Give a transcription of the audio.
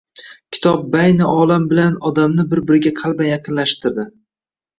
kitob baayni olam bilan odamni bir-biriga qalban yaqinlashtirdi.